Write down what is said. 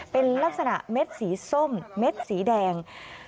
เป็นลักษณะเม็ดสีส้มเม็ดสีแดง